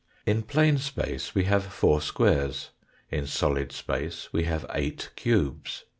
In plane space we have four squares. In solid space we have eight cubes.